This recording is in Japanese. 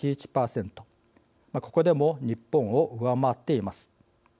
ここでも日本を上回っています。